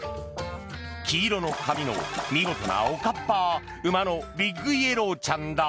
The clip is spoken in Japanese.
黄色の髪の見事なおかっぱ馬のビッグイエローちゃんだ。